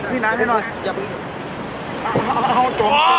อ้าวเซลาเจ็บผูย์เถ้า